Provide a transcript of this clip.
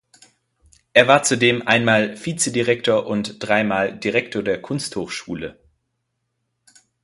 Er war zudem einmal Vizedirektor und drei Mal Direktor der Kunsthochschule.